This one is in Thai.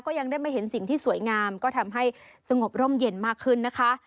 ยังได้มาเห็นสิ่งที่สวยงามก็ทำให้สงบร่มเย็นมากขึ้นนะคะ